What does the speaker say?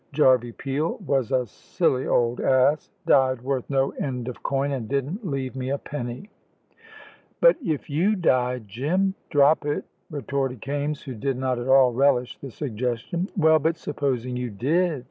Jarvey Peel was a silly old ass. Died worth no end of coin, and didn't leave me a penny." "But if you died, Jim?" "Drop it," retorted Kaimes, who did not at all relish the suggestion. "Well, but supposing you did?"